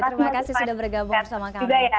terima kasih sudah bergabung bersama kami